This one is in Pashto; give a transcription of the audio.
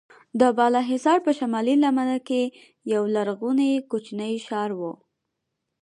د بالاحصار په شمالي لمنه کې یو لرغونی کوچنی ښار و.